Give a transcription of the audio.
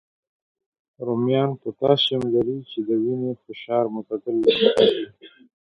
رومیان پوتاشیم لري، چې د وینې فشار معتدل ساتي